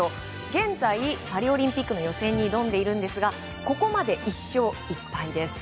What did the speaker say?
現在、パリオリンピックの予選に挑んでいるんですがここまで１勝１敗です。